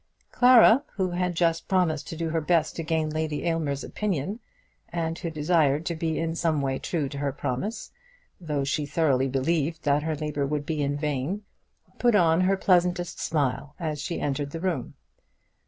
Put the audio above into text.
Clara, who had just promised to do her best to gain Lady Aylmer's opinion, and who desired to be in some way true to her promise, though she thoroughly believed that her labour would be in vain, put on her pleasantest smile as she entered the room.